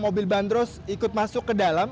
mobil bandros ikut masuk ke dalam